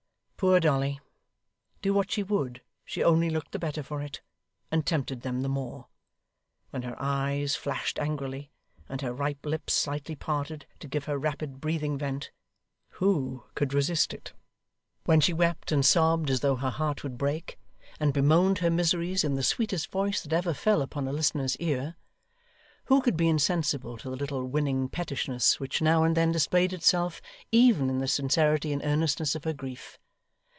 Poor Dolly! Do what she would, she only looked the better for it, and tempted them the more. When her eyes flashed angrily, and her ripe lips slightly parted, to give her rapid breathing vent, who could resist it? When she wept and sobbed as though her heart would break, and bemoaned her miseries in the sweetest voice that ever fell upon a listener's ear, who could be insensible to the little winning pettishness which now and then displayed itself, even in the sincerity and earnestness of her grief?